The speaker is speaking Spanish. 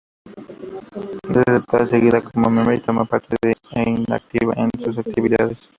Es aceptado enseguida como miembro, y toma parte activa en sus actividades.